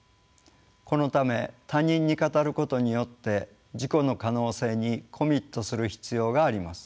このため他人に語ることによって自己の可能性にコミットする必要があります。